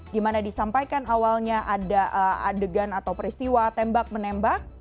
dimana disampaikan awalnya ada adegan atau peristiwa tembak menembak